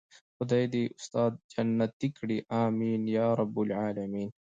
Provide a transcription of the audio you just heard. خدای دې استاد جنت کړي آمين يارب العالمين.